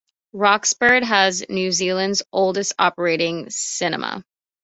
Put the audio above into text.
Roxburgh has New Zealand's oldest operating cinema.